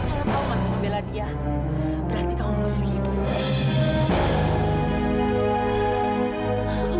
kalau kamu masih membela dia berarti kamu musuh ibu